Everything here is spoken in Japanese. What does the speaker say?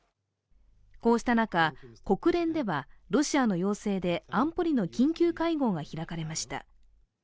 こうした中、国連ではロシアの要請で安保理の緊急会合が開かれました。